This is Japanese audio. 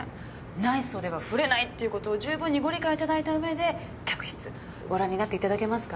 無い袖は振れないっていうことを十分にご理解いただいたうえで客室ご覧になっていただけますか？